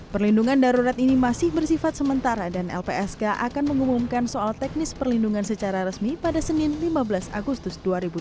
perlindungan darurat ini masih bersifat sementara dan lpsk akan mengumumkan soal teknis perlindungan secara resmi pada senin lima belas agustus dua ribu dua puluh